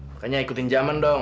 makanya ikutin zaman dong